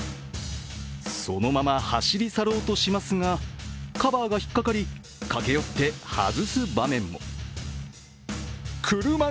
そのまま走り去ろうとしますが、カバーが引っかかり駆け寄って外す場面も。